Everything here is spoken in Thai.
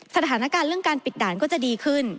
สถานการณ์เรื่องการปิดด่านก็จะดีขึ้น